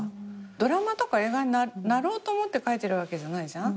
ドラマとか映画になろうと思って描いてるわけじゃないじゃん。